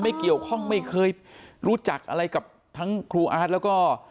ไม่เกี่ยวข้องไม่เคยรู้จักอะไรกับทั้งครูอาร์ตแล้วก็